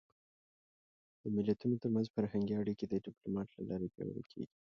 د ملتونو ترمنځ فرهنګي اړیکې د ډيپلومات له لارې پیاوړې کېږي.